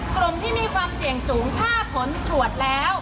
กลุ่มที่มีความเสี่ยงสูงถ้าผลตรวจแล้ว